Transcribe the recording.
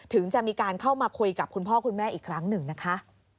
ถึงจะมีการเข้ามาคุยกับคุณพ่อคุณแม่อีกครั้งหนึ่งนะคะ